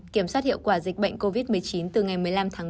kiểm soát hiệu quả dịch bệnh covid một mươi chín từ ngày một mươi năm tháng năm